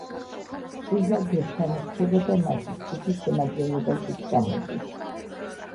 სუზა დებთან რჩება და მათი ჯგუფის შემადგენლობაშიც გამოდის.